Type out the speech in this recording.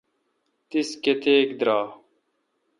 تیس کتیک درائ،؟